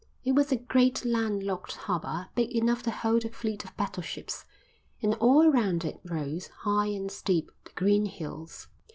It was a great land locked harbour big enough to hold a fleet of battleships; and all around it rose, high and steep, the green hills.